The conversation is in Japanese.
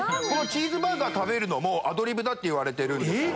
このチーズバーガー食べるのもアドリブだっていわれてるんです。